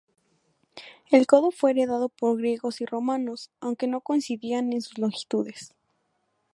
El codo fue heredado por griegos y romanos, aunque no coincidían en sus longitudes.